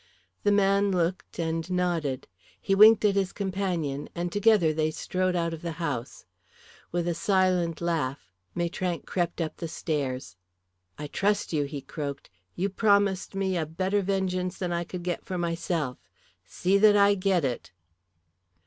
The man looked and nodded. He winked at his companion, and together they strode out of the house. With a silent laugh Maitrank crept up the stairs. "I trust you," he croaked. "You promised me a better vengeance than I could get for myself. See that I get it."